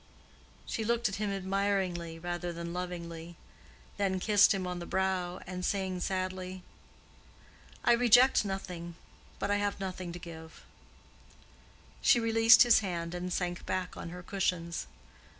She looked at him admiringly rather than lovingly, then kissed him on the brow, and saying sadly, "I reject nothing, but I have nothing to give," she released his hand and sank back on her cushions.